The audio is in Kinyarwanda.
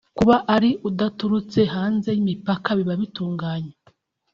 kuba ari udaturutse hanze y’imipaka biba bitunganye